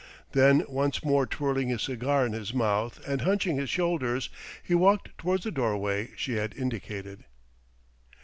Then once more twirling his cigar in his mouth and hunching his shoulders, he walked towards the doorway she had indicated.